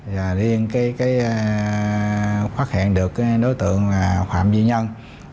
và điên cái phát hiện được đối tượng là phạm duy nhân